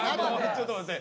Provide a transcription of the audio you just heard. ちょっと待って。